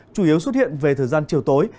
chủ yếu xuất hiện về thời gian chiều tối